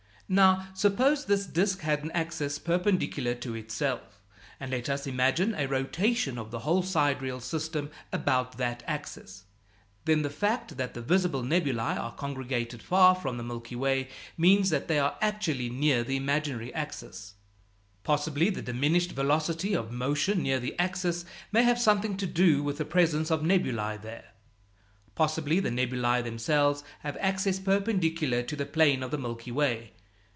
Now, suppose this disk has an axis perpendicular to itself, and let us imagine a rotation of the whole sidereal system about that axis. Then the fact that the visible nebulæ are congregated far from the Milky Way means that they are actually near the imaginary axis. Possibly the diminished velocity of motion near the axis may have something to do with the presence of the nebulæ there. Possibly the nebulæ themselves have axes perpendicular to the plane of the Milky Way.